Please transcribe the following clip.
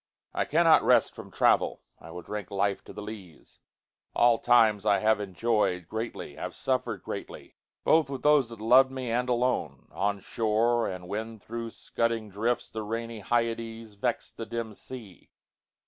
I cannot rest from travel: I will drinkLife to the lees: all times I have enjoy'dGreatly, have suffer'd greatly, both with thoseThat lov'd me, and alone; on shore, and whenThro' scudding drifts the rainy HyadesVex'd the dim sea.